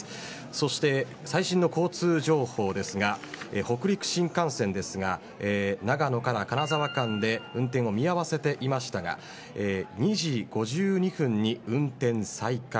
そして、最新の交通情報ですが北陸新幹線ですが長野から金沢間で運転を見合わせていましたが２時５２分に運転再開。